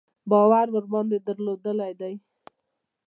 باور ورباندې درلودلی دی.